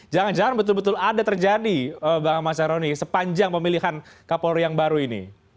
jangan jangan betul betul ada terjadi bang mas nyaroni sepanjang pemilihan kapolri yang baru ini